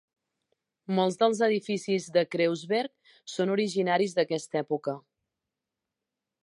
Molts dels edificis de Kreuzberg són originaris d'aquesta època.